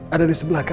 ada di sebelah kanan